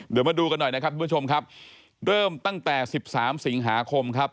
เดี๋ยวมาดูกันหน่อยนะครับทุกผู้ชมครับเริ่มตั้งแต่๑๓สิงหาคมครับ